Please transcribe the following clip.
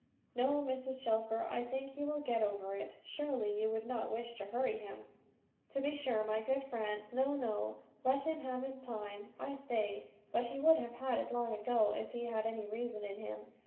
"No, Mrs. Shelfer, I think he will get over it. Surely you would not wish to hurry him." "To be sure, my good friend; no, no: let him have his time, I say. But he would have had it long ago, if he had any reason in him.